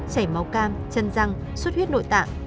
chảy máu cam chân răng suốt huyết nội tạng